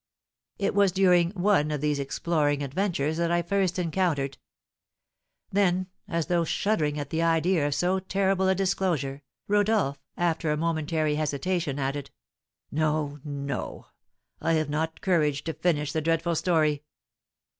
It was during one of these exploring adventures that I first encountered " Then, as though shuddering at the idea of so terrible a disclosure, Rodolph, after a momentary hesitation, added, "No, no; I have not courage to finish the dreadful story!"